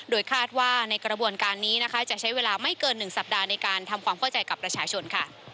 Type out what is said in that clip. โดยคาดว่าในกระบวนการนี้นะคะจะใช้เวลาไม่เกิน๑สัปดาห์ในการทำความเข้าใจกับประชาชนค่ะ